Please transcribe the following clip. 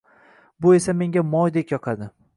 Bu esa menga moydek yoqadi